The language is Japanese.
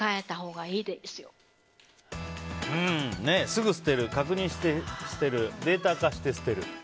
すぐ捨てる、確認して捨てるデータ化して捨てる。